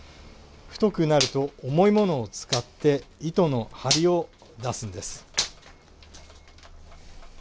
太くなると重いものを使って糸の張りを出すんです。